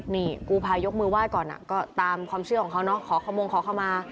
นี่กูพายกมือไหว้ก่อนก็ตามความเชื่อของเขาเนาะขอขโมงขอเข้ามา